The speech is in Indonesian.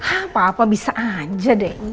apa apa bisa aja deh